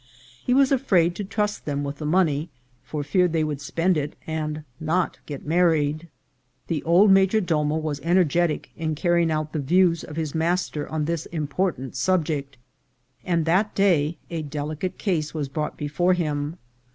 He was afraid to trust them with the money, for fear they would spend it and not get married. The old major domo was energetic in carrying out the views of his master on this important subject, and that day a delicate case was brought before him.